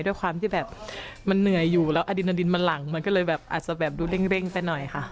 ด้วยความที่แบบมันเหนื่อยอยู่แล้วอดินมันหลังมันก็เลยแบบอาจจะแบบดูเร่งไปหน่อยค่ะ